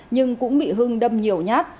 nhưng cũng bị hương đâm nhiều nhát